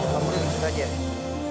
kamu duduk disitu aja ya